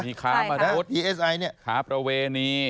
มีค้ามนุษย์ค้าประเวณีใช่ค่ะ